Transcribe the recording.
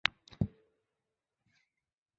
少花淫羊藿为小檗科淫羊藿属下的一个种。